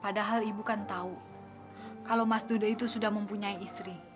padahal ibu kan tahu kalau mas dude itu sudah mempunyai istri